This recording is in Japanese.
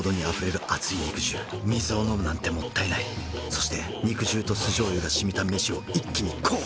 そして肉汁と酢醤油がしみた飯を一気にこう！